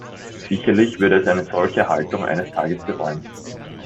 Sicherlich würde es eine solche Haltung eines Tages bereuen.